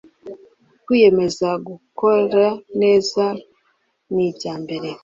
kwiyemeza gukora neza nibyambere